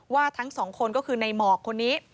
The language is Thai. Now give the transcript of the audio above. ว่าทั้ง๒คนก็คือในหมอกคนนี้